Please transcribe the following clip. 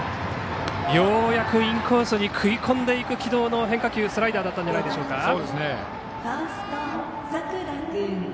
ようやくインコースに食い込んでいく軌道の変化球、スライダーだったんじゃないでしょうか。